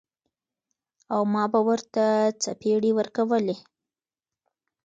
او ما به ورته څپېړې ورکولې.